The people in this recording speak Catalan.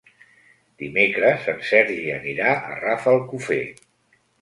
Dimecres en Sergi anirà a Rafelcofer.